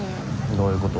どういうこと？